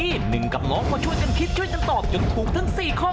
จังถูกทั้งสี่ข้อ